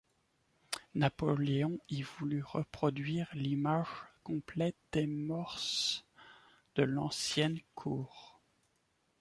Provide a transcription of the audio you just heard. Napoléon y voulut reproduire l'image complète des moeurs de l'ancienne cour.